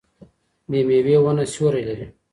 بې ميوې ونه سيوری لري.